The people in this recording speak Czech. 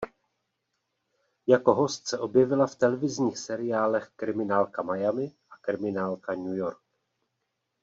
Jako host se objevila v televizních seriálech "Kriminálka Miami" a "Kriminálka New York".